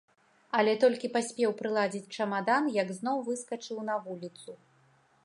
Але толькі паспеў прыладзіць чамадан, як зноў выскачыў на вуліцу.